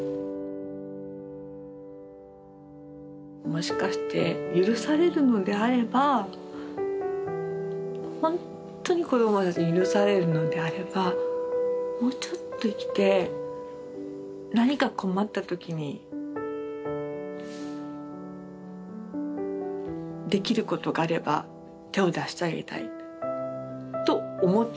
もしかして許されるのであればほんとに子どもたちに許されるのであればもうちょっと生きて何か困った時にできることがあれば手を出してあげたいと思ったんですね。